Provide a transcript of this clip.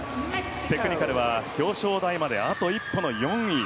テクニカルは表彰台まであと一歩の４位。